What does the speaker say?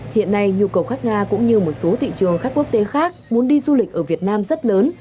hiện nay nhu cầu khách nga cũng như một số thị trường khách quốc tế khác muốn đi du lịch ở việt nam rất lớn